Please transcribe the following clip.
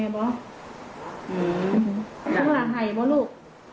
หัวแตกเลยตีลูก